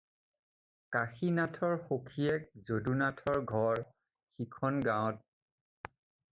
কাশীনাথৰ সখীয়েক যদুনাথৰ ঘৰ সিখন গাঁৱত।